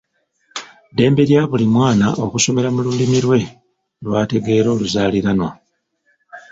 Ddembe lya buli mwana okusomera mu Lulimi lwe lw’ategeera oluzaalilanwa.